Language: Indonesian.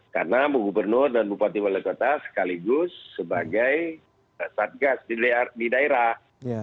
karena gubernur dan bupati wali kota sekaligus sebagai sadgas di daerah